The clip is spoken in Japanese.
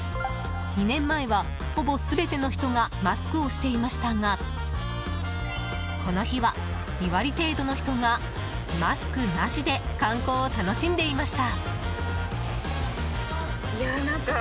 ２年前は、ほぼ全ての人がマスクをしていましたがこの日は、２割程度の人がマスクなしで観光を楽しんでいました。